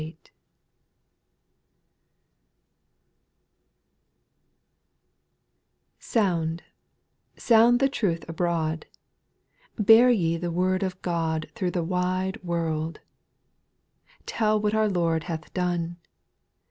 CtOUND, sound the truth abroad, O Bear ye the word of God Through the wide world : Tell what our Lord hath done.